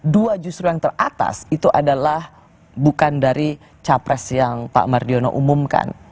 dua justru yang teratas itu adalah bukan dari capres yang pak mardiono umumkan